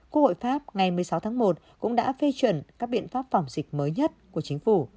quốc hội pháp ngày một mươi sáu tháng một cũng đã phê chuẩn các biện pháp phòng dịch mới nhất của chính phủ